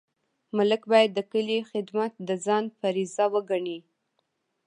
ملک باید د کلي خدمت د ځان فریضه وګڼي.